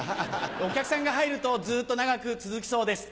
お客さんが入るとずっと長く続くそうです。